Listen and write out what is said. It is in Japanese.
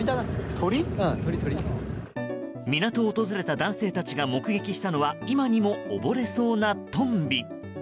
港を訪れた男性たちが目撃したのは今にも溺れそうなトンビ。